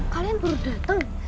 kalian baru datang